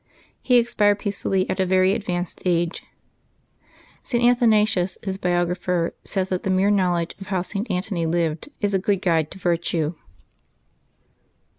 He expired peacefully at a very advanced age. St. Athanasius, his biographer, says that the mere knowledge of how St. Antony lived is a good guide to virtue.